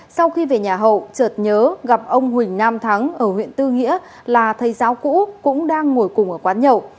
sau khi về nhà hậu trợt nhớ gặp ông huỳnh nam thắng ở huyện tư nghĩa là thầy giáo cũ cũng đang ngồi cùng ở quán nhậu